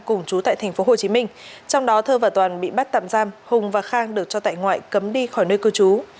cùng chú tại tp hcm trong đó thơ và toàn bị bắt tạm giam hùng và khang được cho tại ngoại cấm đi khỏi nơi cư trú